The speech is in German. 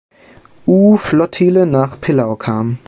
U-Flottille nach Pillau kam.